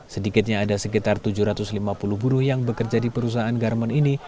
sedikitnya ada sekitar tujuh ratus lima puluh buruh yang bekerja di perusahaan garmen ini